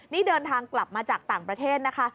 นี่เดินทางกลับมาจากต่างประเทศนะคะ